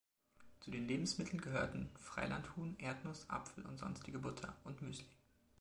Zu den Lebensmitteln gehörten Freilandhuhn, Erdnuss, Apfel und sonstige Butter, und Müsli.